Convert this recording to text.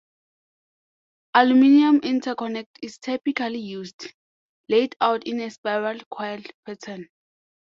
Aluminium interconnect is typically used, laid out in a spiral coil pattern.